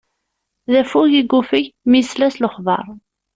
D affug i yuffeg, mi yesla s lexbaṛ.